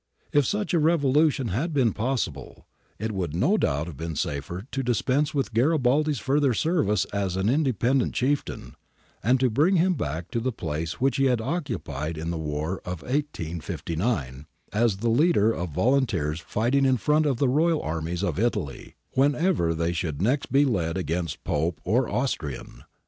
If such a revolution had been possible, it would no doubt have been safer to dispense with Garibaldi's further service as an indepen dent chieftain, and to bring him back to the place which he had occupied in the war of 1859, as the leader of volunteers fighting in front of the royal armies of Italy, j whenever they should next be led against Pope or \ Austrian.